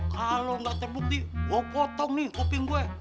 kalau gak terbukti gue potong nih kuping gue